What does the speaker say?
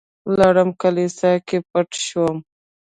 لاړم کليسا کې پټ شوم.